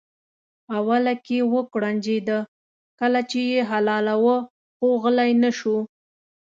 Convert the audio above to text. اوله کې وکوړنجېده کله چې یې حلالاوه خو غلی نه شو.